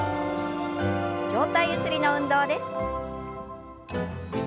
上体ゆすりの運動です。